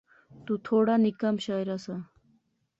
تو تھوڑا نکا مشاعرہ سا